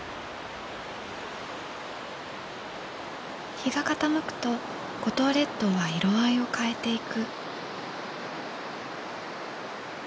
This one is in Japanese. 日が傾くと五島列島は色合いを変えていく。